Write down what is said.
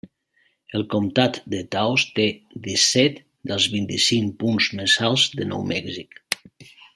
El Comtat de Taos té disset dels vint-i-cinc punts més alts de Nou Mèxic.